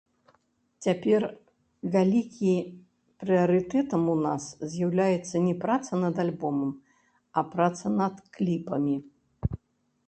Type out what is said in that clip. Цяпер вялікі прыярытэтам у нас з'яўляецца не праца над альбомам, а праца над кліпамі.